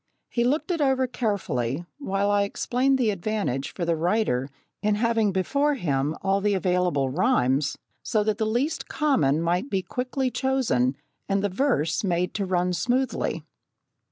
He looked it over carefully, while I explained the advantage for the writer in having before him all the available rhymes, so that the least common might be quickly chosen and the verse made to run smoothly.